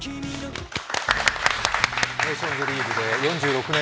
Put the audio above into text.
ネーションズリーグで４６年